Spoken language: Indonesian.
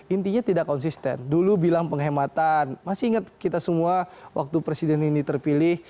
intinya tidak konsisten dulu bilang penghematan masih ingat kita semua waktu presiden ini terpilih